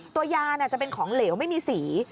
ตัวยาจะเป็นของเหลวไม่มีสี